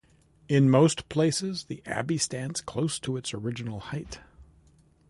In most places the abbey stands close to its original height.